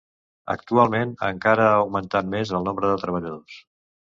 Actualment encara ha augmentat més el nombre de treballadors.